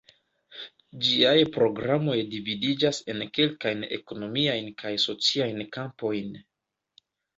Ĝiaj programoj dividiĝas en kelkajn ekonomiajn kaj sociajn kampojn.